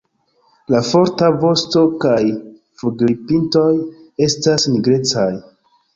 La forta vosto kaj flugilpintoj estas nigrecaj.